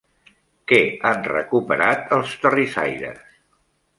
Què han recuperat els terrissaires?